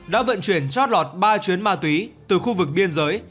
đã vận chuyển chót lọt ba chuyến ma túy từ khu vực biên giới